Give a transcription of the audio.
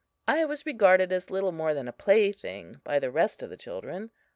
I was regarded as little more than a plaything by the rest of the children.